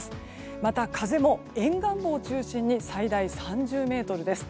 また風も沿岸部を中心に最大３０メートルです。